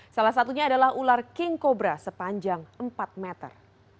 salah satunya adalah ular king cobra sepanjang empat meter